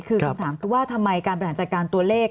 คือคำถามคือว่าทำไมการบริหารจัดการตัวเลข